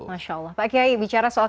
masya allah pak kiai bicara soal